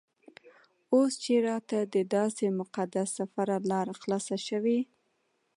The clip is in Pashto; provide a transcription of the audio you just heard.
اوس چې راته دداسې مقدس سفر لاره خلاصه شوې.